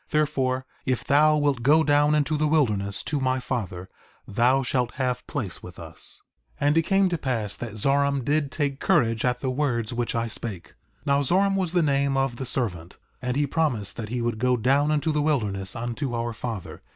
Therefore, if thou wilt go down into the wilderness to my father thou shalt have place with us. 4:35 And it came to pass that Zoram did take courage at the words which I spake. Now Zoram was the name of the servant; and he promised that he would go down into the wilderness unto our father.